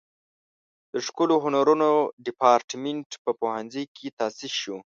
د ښکلو هنرونو دیپارتمنټ په پوهنځي کې تاسیس شو.